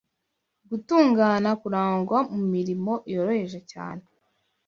Gutungana kurangwa mu mirimo yoroheje cyane